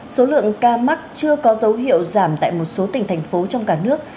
số lượng ca mắc chưa có dấu hiệu giảm tại một số tỉnh thành phố trong cả nước